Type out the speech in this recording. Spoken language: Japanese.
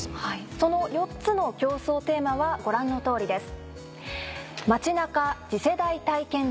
その４つの共創テーマはご覧の通りです。